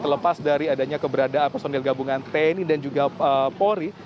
terlepas dari adanya keberadaan personil gabungan tni dan juga polri